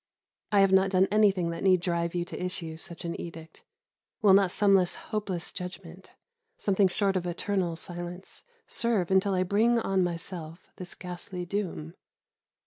I have not done anything that need drive you to issue such an edict. Will not some less hopeless judgment, something short of eternal silence, serve until I bring on myself this ghastly doom?